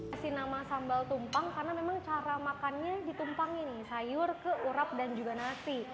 asinama sambal tumpang karena memang cara makannya ditumpang ini sayur keurap dan juga nasi